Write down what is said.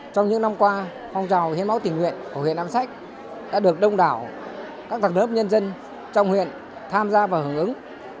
trong những năm qua phong trào hiến máu tình nguyện của huyện nam sách đã được đông đảo các tầng lớp nhân dân trong huyện tham gia và hưởng ứng